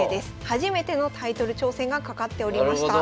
初めてのタイトル挑戦がかかっておりました。